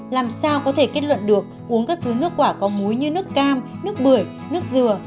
làm sao có thể kết luận được uống các thứ nước quả có muối như nước cam nước bưởi nước dừa